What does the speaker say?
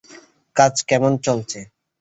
কাজ কেমন চলছে?